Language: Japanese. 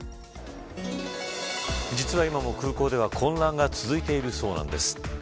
実は今も空港では混乱が続いているそうなんです。